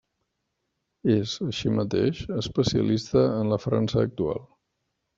És, així mateix, especialista en la França actual.